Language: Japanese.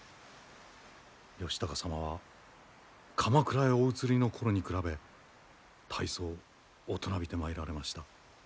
義高様は鎌倉へお移りの頃に比べ大層大人びてまいられました。